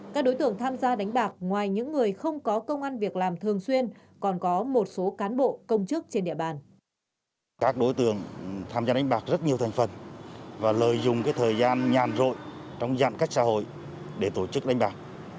các đối tượng tham gia đánh bạc rất nhiều thành phần và lợi dụng thời gian nhàn rội trong giãn cách xã hội để tổ chức đánh bạc